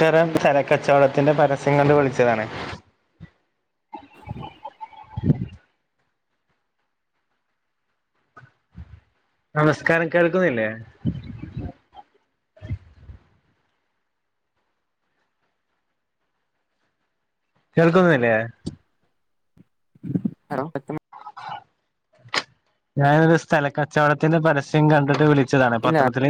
കരം സ്ഥലക്കച്ചോടത്തിന്റെ പരസ്യം കണ്ട് വിളച്ചതാണ് നമസ്കാരം കേൾക്കുന്നില്ലേ അല്ലെ [inaudible] അല്ലേ ഹലോ ഞാനൊരു സ്ഥലക്കച്ചോടത്തിന്ന് പരസ്യം കണ്ട്ട്ട് വിളിക്കുവാ ച്ചതാണ് അ ഇല്ല പതരത്തിൽ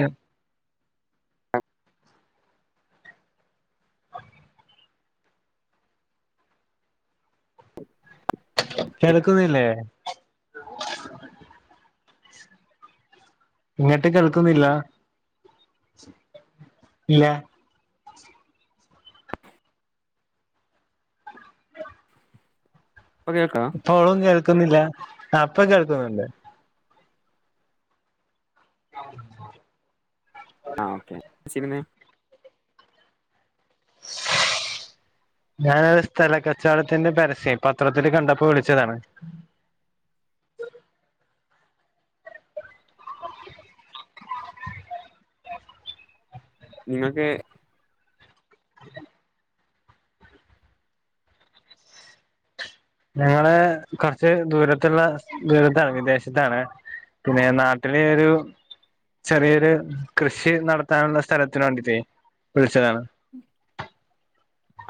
കേൾക്കുന്നില്ലേ ഇങ്ങ്ട്ട് കേൾക്കുന്നില്ല ഇല്ലാ ഇപ്പൊ കേൾക്കോ ഓളൊന്നെ ക്ന്നില്ല ആ ഇപ്പ കേൾക്കുന്ന്ണ്ട് [inaudible] ആഹ് ഓകെ സിനിമേമ് ഞാന് സ്ഥല കച്ചോടത്തിന്റെ പരസ്യയെ പത്രത്തില് കണ്ടപ്പൊ വിളിച്ചതാണ് മിഞ്ഞാന്ന്തേ നാളേ കൊറച് ദൂരത്ള്ള ദൂരത്താണ് വിദേശത്താണ് പിന്നെ നാട്ടിലൊരു ചെറിയൊരു കൃഷി നടത്താനുള്ള സ്ഥലത്തിന് വേണ്ടീട്ട് വിളിച്ചതാണ്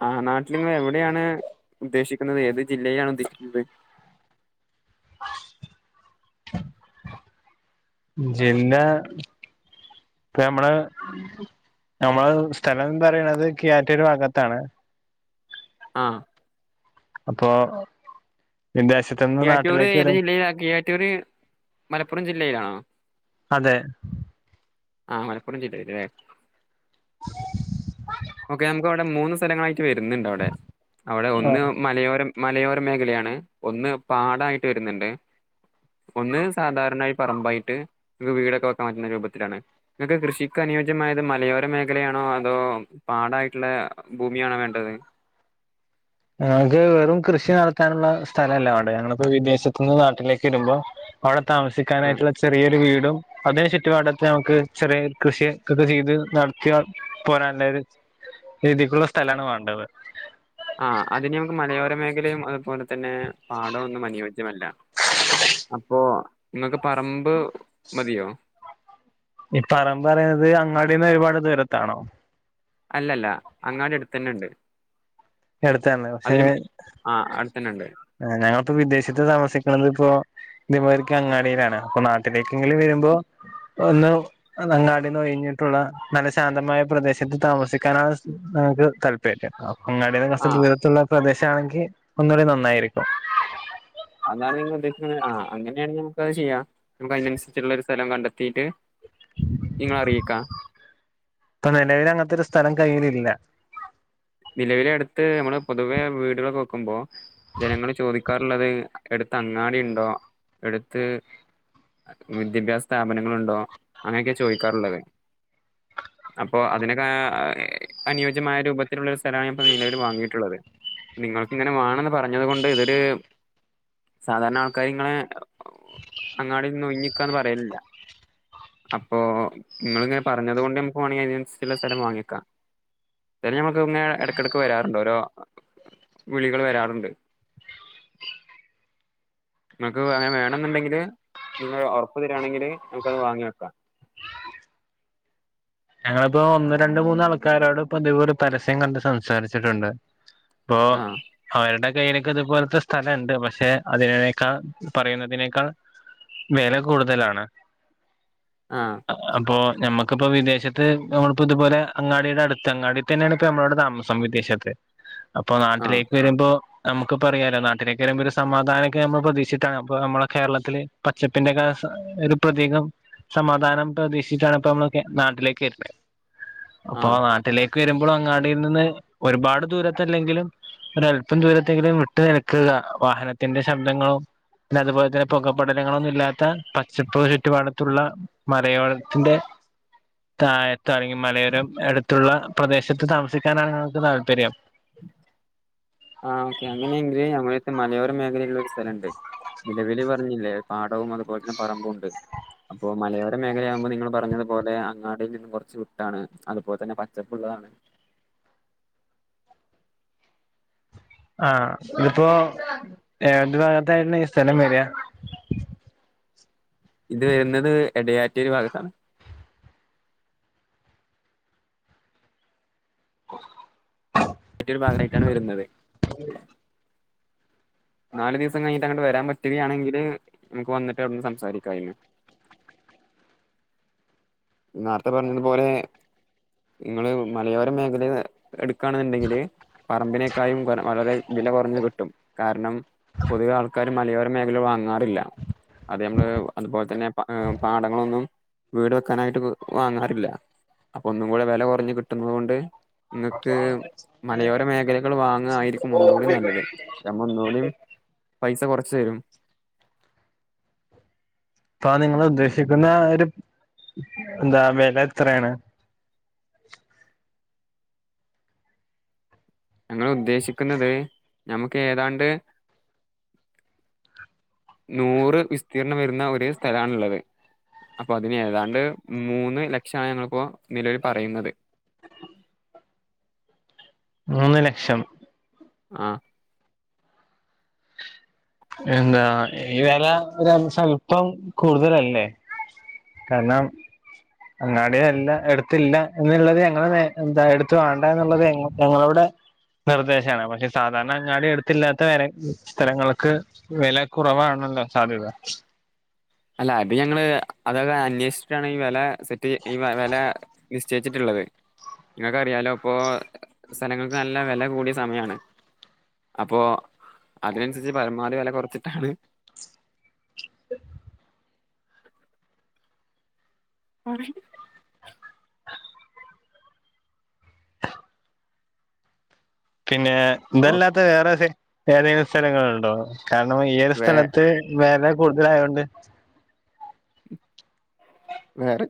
ആഹ് നാട്ടിലിങ്ങളെവ്ടെയാണ് ഉദ്ദേശിക്ക്ന്നത് ഏത് ജില്ലയിലാണ് ഉദ്ദേശിക്ക്ന്നത് ജന്നാ പൊ ഞമ്മളെ ഞമ്മളെ സ്ഥലം പറീണത് കിയാറ്റൂർ ഭാഗത്താണ് ആഹ് അപോഹ് കിയാറ്റൂർ ഏത് ജില്ലയിലാ കിയാറ്റൂർ മലപ്പുറം ജി ലീലാണോ അതേ ആഹ് മലപ്പുറം ജില്ലയില് ലെ ഓക്കെ നമുക്കവ്ടെ മൂന്ന് സ്ഥലങ്ങളായി വരുന്നണ്ടവ്ടെ അവ്ടെ ഒന്ന് ആഹ് മലയോരം മലയോരം മേഖലയാണ് ഒന്ന് പാടായിട്ട് വരുന്ന്ണ്ട് ഒന്ന് സാധാരണയി പറമ്പായിട്ട് ങ്ങക് വീടൊക്കെ വെക്കാൻ പറ്റുന്നറൂബത്തിലാണ്. ങ്ങക് കൃഷിക്ക് അനിയോജ്യമായത് മലയോര മേഖലയാണോ അതോ പാടായിട്ട്ള്ള ഭൂമിയാണോ വേണ്ടത് ഞങ്ങക് വെരും കൃഷി നടത്താനുള്ള സ്ഥലല്ല വേണ്ടത്. ഞങ്ങള്പൊ വിദേശത് ന്ന് നാട്ടിലേക്ക് വരുമ്പൊ അവ് ആ താമസിക്കാനായിട്ട്ള്ള ചെറിയൊരു വീ അതിന് ചുറ്റുപാടത് ഞമക് ചെറീ കൃഷി കൊക്കെ ചെയ്ത് നടത്തിവ പോരാന്ള്ളൊരു രീതിക്ക്ള്ള സ്ഥലാണ് വേണ്ടത് ആ ആത്ഞി ഞമക് മലയോര മേഘലയും അത് പോല തന്നേ പാടൊന്നും അനുയോജ്യമല്ല അപ്പോ ങ്ങക് പറമ്പ് മതിയോ ഈ പറമ്പ് പറഞ്ഞത് അങ്ങാടീന്ന് കുറ ദൂരത്താണോ? അല്ലല്ലാ അങ്ങട് അടുത്തുതന്നെയുണ്ട് ഇടത് തന്നെ പക്ഷെ അടുത്തന്നെ ഉണ്ട് ഞങ്ങൾ വിദേശത്ത് താമസികനെയിപ്പോൾ ഇവർക്ക് അങ്ങാടിയിലന്നെ ഇന്നല് ഒരുദിവസം ആഹ് ദൂരതുള്ള പ്രാദേശിക ചങ്കി ഒന്നുകൂടി നന്നായിരു അതാണെങ്കിൽ ആ അങ്ങനെയാണെങ്കിൽ നമുക്ക് ചെയ്യാം അതനുസരിച്ച് സ്ഥലം കണ്ടെത്തിയിട്ട് നിലവിലെ നിങ്ങളെ അറിയിക്കാം ഇപ്പൊ അങ്ങനെയൊരു സ്ഥലം കയ്യിലില്ല നിലവിലെടുത്ത് നമ്മള് പൊതുവേ വീടുകൾ നോക്കുമ്പോൾ ജനങ്ങള് ചോദിക്കാറുള്ളത് അടുത്ത അങ്ങാടി അടുത്ത് മുതിത പോയിരുന്ന വന്നുകൊണ്ടിരുന്നു സ്ഥാപനങ്ങൾ ഉണ്ടോ അങ്ങനെയൊക്കെയാണ് ചോദിക്കാറുള്ളത് അതിനു അത് അത് അപ്പൊ ആ അനോജ്യമായ ഇങ്ങനെയുള്ള സ്ഥലാണ് നിലവിൽ വാങ്ങിയിട്ടുള്ളത് നിങ്ങൾക്ക് ഇങ്ങനെ വേണമെന്ന് പറഞ്ഞത് കൊണ്ട് ഇവര് സാധാരണആൾക്കാര് അങ്ങാടിയിൽ നിന്ന് ഒഴിഞ്ഞു നിൽക്കണം എന്ന് പറയില്ലല്ലാ അപ്പോള് നിങ്ങൾ ഇങ്ങനെ പറഞ്ഞതുകൊണ്ട് നമുക്ക് ഏവന്‍സിലെ സ്ഥലം വാങ്ങിക്കാം ഇങ്ങ ഇടക്കിടക്ക് വരാറുണ്ട് ഓരോ വിളികൾ വരാറുണ്ട്. നിങ്ങക്ക് അങ്ങനെ വേണെന്നുണ്ടെങ്കില് നിങ്ങൾ ഉറപ്പ് തരിയാണെങ്കില് നമുക്ക് അത് വാങ്ങി വെക്കാം ഞങ്ങളിപ്പോ ഒന്ന് രണ്ട് മൂന്ന് ആൾക്കാരോട്പ്പ ഇതിപ ഒരു പരസ്യം കണ്ട് സംസാരിച്ചിട്ടുണ്ട് ഓ ആ അവര്ടെ കനക്ക ഇതുപോലത്തെ സ്ഥലണ്ട് പക്ഷെ അതിനേക്കാൾ പറയുന്നതിനേക്കാൾ വില കൂടുതലാണ് ആ അപ്പോ ഞമ്മക്ക് അപ്പൊ വിദേശത്ത് നമ്മളപ്പോ ഇതുപോലെ ത്ത് അങ്ങാടിയുടെ അടുത്ത അങ്ങാടി തന്നെയാണ് ഇപ്പ നമ്മടെ താമസം വിദേശത്ത് അപ്പൊ ആ നാട്ടിലേക്ക് വരുമ്പോ നമുക്ക് പറയാമാലോ നാട്ടിലേക്ക് വയമ്പ്പോ ഒരു സമാധാനക്കെ നമ്മൾ പ്രതീക്ഷിട്ടാണ് അപ്പ നമ്മളെ കേരളത്തില് പച്ചപ്പിന്റെ ഒക്കെ ഒരു പ്രതീകം സമാധാനം പ്രതീക്ഷിച്ചിട്ടാണ് ഇപ്പ നമ്മ നാട്ടിലേ [unintelligible] ആ അപ്പാ നാട്ടിലേ ക്ക് വരുമ്പളും അങ്ങാടീ നിന്ന് ഒരുപാട് ദൂരത്തല്ലെങ്കിലും ഒരല്പം ദൂരത്തെങ്കിലും വിട്ടു നിൽക്കുക വാഹനത്തിന്റെ ശബ്ദങ്ങളോ പിന്നതുപോലെ തന്നെ പുക പടലങ്ങളോന്നും ഇല്ലാത്ത പച്ചപ്പ് ചുറ്റുപാടത്തുള്ള മലയോരത്തിൻ്റെ തായത്ത് അല്ലെങ്കിൽ മലയോരം അടുത്തുള്ള പ്രദേശത്ത് താമസിക്കാനാണ് ഞങ്ങൾക്ക് താല്പര്യം ആ ഓക്കെ അങ്ങനെയെങ്കിൽ ഞമ്മളട്ത്ത് മലയോര മേഖലയിലുള്ള ഒരു സ്ഥലം ഉണ്ട്. നിലവലി പറഞ്ഞില്ലേ പാടവും അതുപോലെ തന്നെ പറമ്പും ഉണ്ട് അപ്പൊ മലയോര മേഖലയാകുമ്പോൾ നിങ്ങൾ പറഞ്ഞതുപോലെ അങ്ങാടിയിൽ നിന്നും കുറച്ച് വിട്ടാണ് അതുപോലെ തന്നെ പച്ചപ്പുള്ളതാണ്. ആ ഇതിപ്പോ ഏത് ഭാഗത്തായിട്ടാ ഈ സ്ഥലം വരാ? ഇത് വരുന്നത് എടയാറ്റൂര് ഭാഗത്താണ്. [unintelligible] ഒരു ഭാഗമായിട്ടാണ് വരുന്നത്. നാല് ദിവസം കഴി [unintelligible] ങ്ങട്ട് വരാൻ പറ്റുകയാണെങ്കിൽ നമുക്ക് വന്നിട്ട് അവിടുന്ന് സംസാരിക്കായിന്. നാര്ത്തെ പറഞ്ഞതുപോലെ നിങ്ങള് മലയോര മേഖലേൽ എടുക്കാണ്ന്നുണ്ടെങ്കില് പറമ്പിനേക്കായും വളരെ വില കുറഞ്ഞ് കിട്ടും. കാരണം പൊതുവെ ആൾക്കാർ മലയോര മേഖല വാങ്ങാറില്ല അത് നമ്മള് അതുപോലെ തന്നെ പാടങ്ങളൊന്നും വീട് വെക്കാനായിട്ട് വാങ്ങാറില്ല. അപ്പൊ ഒന്നും കൂടെ വില കുറഞ്ഞു കിട്ടുന്നത് കൊണ്ട് ഇങ്ങക്ക് മലയോര മേഖലകൾ വാങ്ങായിരിക്കും ഒന്നുകൂടിം നല്ലത്. അതാകുമ്പം ഒന്നൂടിം പൈസ കൊറ് ച്ചെരും. താനിങ്ങൾ ഉദ്ദേശിക്കുന്ന ഒര് എന്താ വെല എത്രേണ്? ഞങ്ങൾ ഉദ്ദേശിക്കുന്നത് ഞമക്ക് ഏതാണ്ട് നൂറു വിസ്തീർ [unintelligible] വരുന്ന ഒരു സ്ഥലമാണ് ഉള്ളത് അപ്പൊ അതിന് ഏതാണ്ട് മൂന്നു ലക്ഷം ഞങ്ങളിപ്പോൾ നിലവിൽ പറയുന്നത് മൂന്ന് ലക്ഷം ആ [unintelligible] ഈ വില ഷോൽപം കൂടുതലല്ലേ കാരണം [unintelligible] ടുത്തില്ല [unintelligible] നിർദ്ദേശമാണ് കാരണം അങ്ങാടി അടുത്ത് ഇല്ലാത്ത [unintelligible] സ്ഥലങ്ങൾക്ക് വില കുറവാണല്ലോ സാധ്യത അല്ലാ അത് ഞങ്ങൾ അന്വേഷിച്ചിട്ടാണ് ഈ വില സെറ്റ് ഈ [unintelligible] വില നിശ്ചയിച്ചിട്ടുള്ളത് നിങ്ങൾക്കറിയാല്ലോ സ്ഥലങ്ങൾക്ക് നല്ല വിലകൂടിയ സമയാണ് അപ്പോ അതനുസരിച്ചി പരമാവധി വില കുറിച്ചിട്ടാണ് [unintelligible] പിന്നെ ഇതല്ലാത്തത് വേറെ [unintelligible] വേറെ ഏതേം സ്ഥലങ്ങൾ ഉണ്ടോ കാരണം ഏതു വേ സ്ഥലത്ത് വെല കൂടുതലായതുകൊണ്ട് വേറെ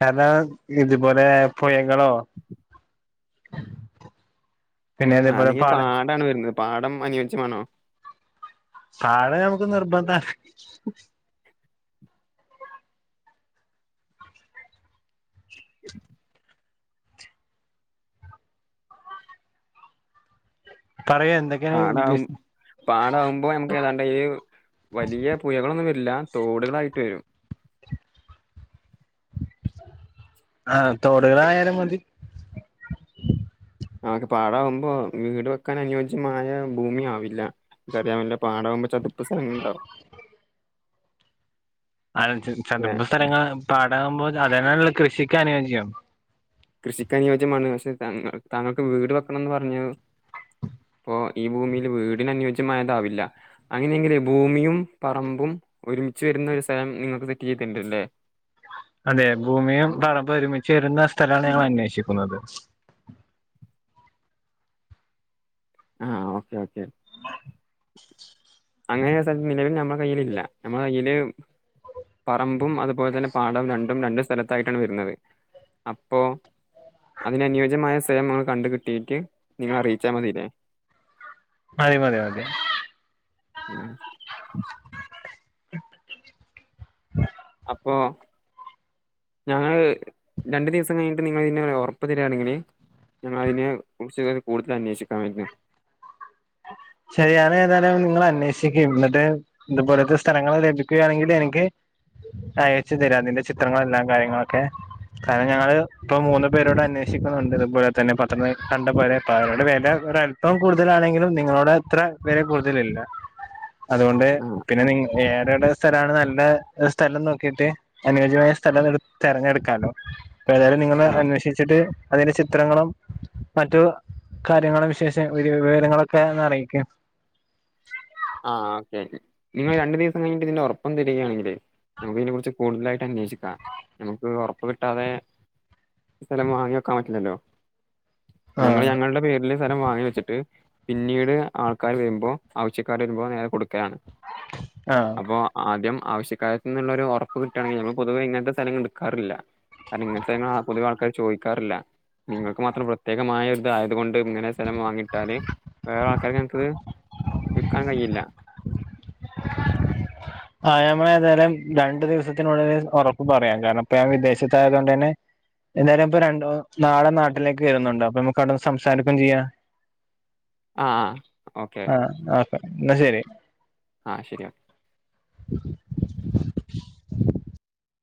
കാരണം ഇതുപോലെ പുഴകളോ പിന്നെ അതേപോലെ അല്ലെങ്കിൽ പാട പാടം ആണ് വരുന്നത് പാടം അനുയോജ്യമാണോ പാടം നമുക്ക് നിർബന്ധാ പറയൂ എന്തൊക്കെയാണ് പാടം ബിസ് പാടം ആകുമ്പോൾ നമുക്ക് ഏതാണ്ട് വലിയ പുഴകൾ ഒന്നും വ എല്ലാം തോടുകൾ ആയിട്ട് വരും ആ തോടുകൾ ആയാലും മതി പാടാവുമ്പോൾ വീട് വെക്കാൻ അനുയോജ്യമായ ഭൂമി ആവില്ല അതുപോലെ പാഠം ആവുമ്പോ ചതുപ്പ് സ്ഥലങ്ങൾ ണ്ടാവും അതനുസരിച്ച് ചതുപ്പ് സ്ഥലങ്ങളാണ് പാ അതാവുമ്പോ അതെന്നാണല്ലോ കൃഷിക്ക് അനുയോജ്യം കൃഷിക്ക് അനുയോജ്യമാണ് താങ്കൾക്ക് വീട് വെക്കണം എന്ന് പറഞ്ഞു അപ്പോൾ ഈ ഭൂമിയിലെ വീടിന് അനുയോജ്യമായത് ആവില്ല അങ്ങനെയാണെങ്കിൽ ഭൂമിയും പറമ്പും ഒരുമിച്ചു വരുന്ന സ്ഥലം നിങ്ങൾക്ക് സെറ്റ് ചെയ്യ്തു വെക്കേണ്ടി വരും ലേ അതെ ഭൂമിയും പറമ്പും ഒരുമിച്ച് വരുന്ന സ്ഥലാണ് ഞങ്ങൾ അന്വേഷിക്കുന്നത് ആ ഓക്കേ ഓക്കേ [unintelligible] അങ്ങനെ ഒരു സ്ഥലം നിലവിൽ നമ്മടെ കയ്യിൽ ഇല്ല നമ്മടെ കയ്യില് പറമ്പും അതുപോലെതന്നെ പാടവും രണ്ടും രണ്ടു സ്ഥലത്തായിട്ടാണ് വരുന്നത് അപ്പോ അതിന് അനുയോജ്യമായ സ്ഥലം കണ്ടുകിട്ടിയിട്ട് നിങ്ങളെ അറിയിച്ചാൽ മതിയില്ലേ മതി മതി മതി ഉം അപ്പോൾ ഞങ്ങൾ രണ്ടുദിവസം കഴിഞ്ഞിട്ട് നിങ്ങൾ ഉറപ്പു തരുവാണെങ്കിൽ ഞങ്ങൾ അതിനെ കുറിച്ച് കൂടുതൽ അന്വേഷിക്കാൻ വേണ്ടിയിട്ടാണ് ശരി അത് ഏതായാലും നിങ്ങൾ അന്വേഷിക്ക് എന്നിട്ട് ഇതുപോലെത്തെ സ്ഥലങ്ങൾ കിട്ടുകയാണെങ്കിൽ എനിക്ക് അയച്ചുതരാ ചിത്രങ്ങളെല്ലാ കാര്യങ്ങളൊക്കെ കാരണം ഞാങ്ങള് ഇപ്പം മൂന്നു പേരോട് അന്വേഷിക്കുന്നുണ്ട് അതുപോലെ തന്നെ [unintelligible] വില ഒരല്പം കൂടുതലാണെങ്കിലും നിങളുടെ ഇത്ര വില കൂടുതലില്ല അതുകൊണ്ട് ആ പിന്നെ നിങ്ങ വേറേതാ സ്ഥലാണ് നല്ല സ്ഥലം നോക്കിയിട്ട് അനുയോജ്യമായ സ്ഥലം തെരഞ്ഞെടുക്കാല്ലോ ഏതായാലും നിങ്ങൾ ആ അന്വേഷിച്ചിട്ട് അതിന്റെ ചിത്രങ്ങളും മറ്റു കാര്യങ്ങളും വിശേഷ വിവരങ്ങളും ഒക്കെ ഒന്ന് അറീ ക്കേ ആ ശെരി നിങ്ങൾ രണ്ട് ദിവസം കഴിഞ്ഞിട്ട് ഇതിന്റൊറപ് പ്പൊന്ന് തെരുകയാണെങ്കില് ഞമ്മക്ക് ഇതിനെ കുറിച് കൂടുതലായി ട്ട് അന്വേഷിക്കാം ഞമ്മക്ക് ഒറപ് പ്പ്‌ കിട്ടാതെ സ്ഥലം വാങ്ങിവെക്കാൻ പറ്റൂലല്ലോ ഞങ്ങൾ ആഹ് ഞങളുടെ പേരിൽ സ്ഥലം വാങ്ങി വെച്ചിട്ട് പിന്നീട് ആൾക്കാർ വരുമ്പോ ആവശ്യ ആവശ്യക്കാർ വരുമ്പോ നേരെ കൊടുക്കലാണ് ആഹ് അപ്പൊ ആദ്യം ആവശ്യക്കാരെ ത്തിന്ന് ഇള്ള ഒരു ഒറപ്പ് കിട്ടണെങ്കി ഞങ്ങൾ പൊതുവെ ഇങ്ങനത്തെ സ്ഥലങ്ങൾ എടുക്കാറില്ല [unintelligible] ചോദിക്കാറില്ല നിങ്ങക്ക് മാത്രം പ്രതേകമായ ഒരുതായത് കൊണ്ട് ഇങ്ങനെ സ്ഥലം വാങ്ങിയിട്ടാൽ വേറെ ആൾക്കാർ ഞങ്ങക്കിത് വിക്കാൻ കഴിയില്ല. ആ ഞമ്മൾ ഏതായാലും രണ്ട് ദിവസത്തിനുള്ളിൽ ഉറപ്പ് പറയാം. കാരണം ഞാൻ ഇപ്പൊ വിദേശത്തായതോണ്ട് തന്നെ ഏതായാലും രണ്ടു നാളെ നാട്ടിലേക് വരുന്നുണ്ട് അപ്പൊ ഞമ്മക് അവിടെന്ന് സംസാരിക്കും ചെയ്യാ ആ ആ ഓക്കേ. ന്നാ ശെരി. ആ ശെരി. [unintelligible]